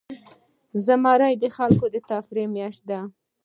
زمری د خلکو د تفریح میاشت ده.